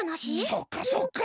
そうかそうか。